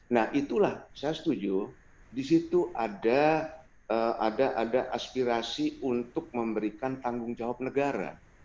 nah itulah saya setuju di situ ada aspirasi untuk memberikan tanggung jawab negara